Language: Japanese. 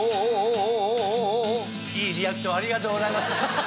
いいリアクションをありがとうございます。